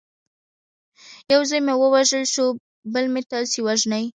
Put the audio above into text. یو زوی مې ووژل شو بل مې تاسي وژنئ.